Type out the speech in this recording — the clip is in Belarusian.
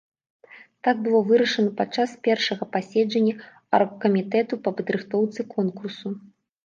Так было вырашана падчас першага паседжання аргкамітэту па падрыхтоўцы конкурсу.